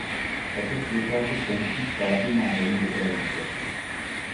Tato spolupráce členských států má velmi dobré výsledky.